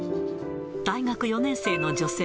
大学４年生の女性。